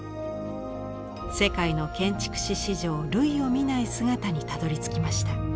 世界の建築史史上類を見ない姿にたどりつきました。